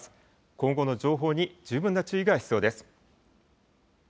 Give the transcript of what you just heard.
今後の情報に十分な注意が必要です。